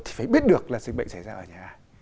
thì phải biết được là dịch bệnh xảy ra ở nhà ai